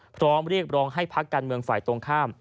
พร้อมเรียกร้องให้พักการเมืองฝ่ายตรงข้าม